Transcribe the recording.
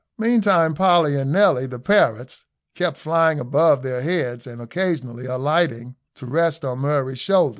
Meantime Polly and Nelly, the parrots, kept flying above their heads, and occasionally alighting to rest on Murray's shoulder.